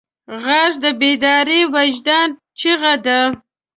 غږ د بیدار وجدان چیغه ده